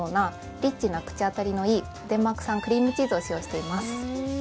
リッチな口当たりのいいデンマーク産クリームチーズを使用しています